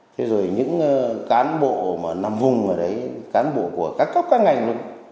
thế rồi những cán bộ mà nằm vùng ở đấy cán bộ của các cấp các ngành luôn